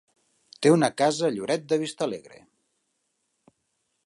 Té una casa a Lloret de Vistalegre.